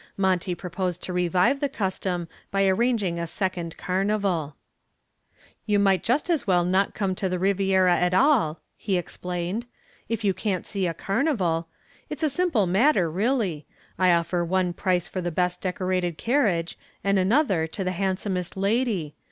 Monty proposed to revive the custom by arranging a second carnival. "You might just as well not come to the Riviera at all," he explained, "if you can't see a carnival. It's a simple matter, really. I offer one price for the best decorated carriage and another to the handsomest lady.